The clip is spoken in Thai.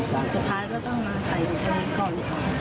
สุดท้ายก็ต้องมาใส่กุญแจก่อน